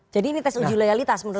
jadi ini tes uji loyalitas menurut anda